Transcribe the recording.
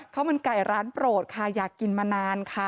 ข้าวมันไก่ร้านโปรดค่ะอยากกินมานานค่ะ